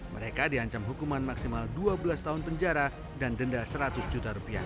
mereka diancam hukuman maksimal dua belas tahun penjara dan denda seratus juta rupiah